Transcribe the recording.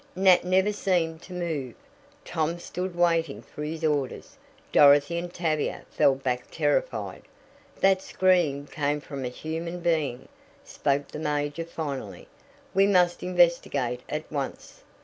Nat never seemed to move. Tom stood waiting for his orders. Dorothy and Tavia fell back terrified. "That scream came from a human being," spoke the major finally. "We must investigate at once.